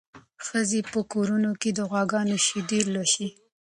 ښځې په کورونو کې د غواګانو شیدې لوشي.